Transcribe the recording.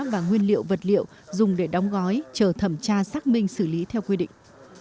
và nguyên liệu vật liệu dùng để đóng gói chờ thẩm tra xác minh xử lý theo quy định